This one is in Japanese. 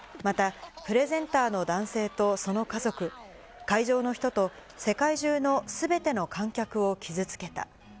また、プレゼンターの男性とその家族、会場の人と世界中のすべての観客を傷つけた。